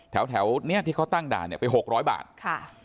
แถวเนี่ยที่เขาตั้งด่านเนี่ยไป๖๐๐บาท